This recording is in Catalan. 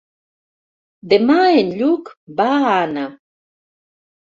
Demà en Lluc va a Anna.